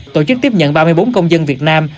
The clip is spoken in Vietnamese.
tổ chức tiếp nhận ba mươi bốn công dân việt nam